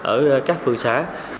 ở các phường xã